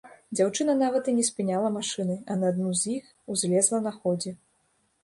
Дзяўчына нават і не спыняла машыны, а на адну з іх узлезла на ходзе.